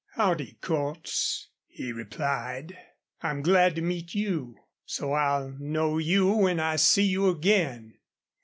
"Howdy, Cordts," he replied. "I'm glad to meet you so I'll know you when I see you again."